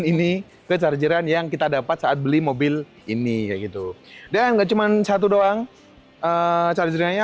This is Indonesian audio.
ini tecar jeran yang kita dapat saat beli mobil ini gitu dan enggak cuman satu doangparancernya